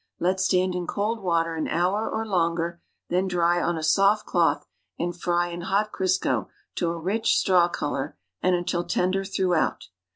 Let stand in cold water an hour or longer, then dry on a soft cloth and fry in hot Crisco to a rich, straw color and until tender thrnugh out.